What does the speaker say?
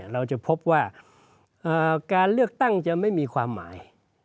เราจะพบว่าการเลือกตั้งจะไม่มีความหมาย